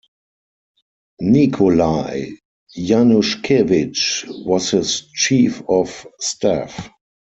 Nikolai Yanushkevich was his chief of staff.